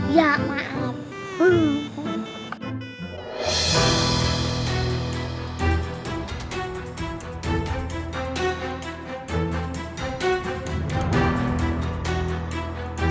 ya maaf lupa